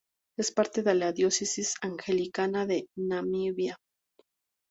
Es parte de la Diócesis Anglicana de Namibia.